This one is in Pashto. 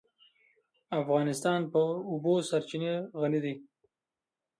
افغانستان په د اوبو سرچینې غني دی.